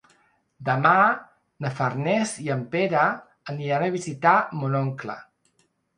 Demà na Farners i en Pere aniran a visitar mon oncle.